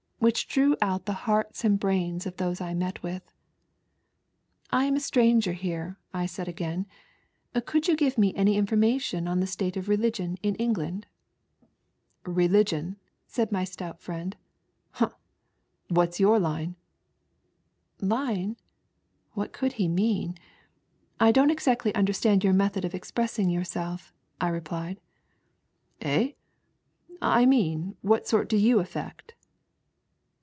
which drew out the hearts aad braina of those I met with. " I am a stranger here," I again said ;" could you give me any information on the state of religion in England ?"" Religion," said my stont friend ;" humph ! what's your line?" " Line ?" what could he mean ? "I don't exactly understand your method of expreasing yourself," I replied. " Eh ? I mean what sort do yon affect